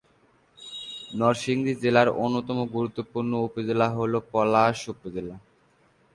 নরসিংদী জেলার অন্যতম গুরুত্বপূর্ণ উপজেলা হল পলাশ উপজেলা।